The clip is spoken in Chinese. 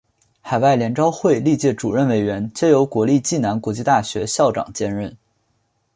海外联招会历届主任委员皆由国立暨南国际大学校长兼任。